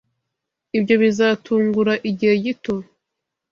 Ibyo bizatugura igihe gito.